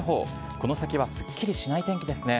この先はすっきりしない天気ですね。